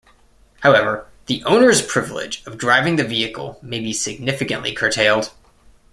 However, the owner's privilege of driving the vehicle may be significantly curtailed.